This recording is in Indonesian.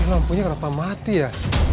lampunya kenapa mati ya